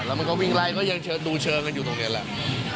แล้วมันก็วิ่งไล่ก็ยังดูเชิงกันอยู่ตรงนี้แหละ